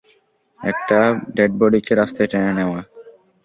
একটা ডেডবডিকে রাস্তায় টেনে নেওয়া।